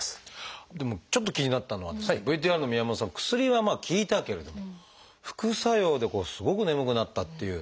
でもちょっと気になったのはですねＶＴＲの宮本さん薬はまあ効いたけれども副作用ですごく眠くなったっていう。